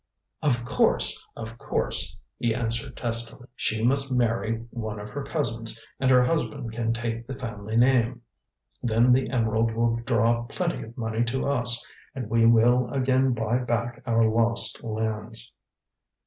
"Of course; of course," he answered testily. "She must marry one of her cousins, and her husband can take the family name. Then the emerald will draw plenty of money to us, and we will again buy back our lost lands."